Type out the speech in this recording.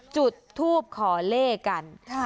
จุดทูบขอเลขกัน